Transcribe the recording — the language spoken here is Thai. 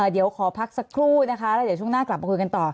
เดี๋ยวขอพักสักครู่นะคะแล้วเดี๋ยวช่วงหน้ากลับมาคุยกันต่อ